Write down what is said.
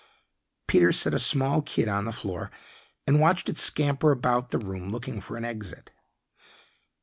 Peter set a small kid on the floor and watched it scamper about the room, looking for an exit.